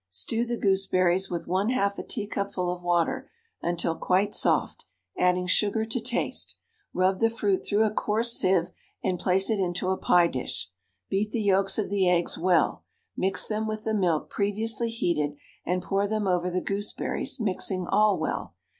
Stew the gooseberries with 1/2 a teacupful of water until quite soft, adding sugar to taste; rub the fruit through a coarse sieve and place it into a pie dish; beat the yolks of the eggs well, mix them with the milk previously heated, and pour them over the gooseberries, mixing all well.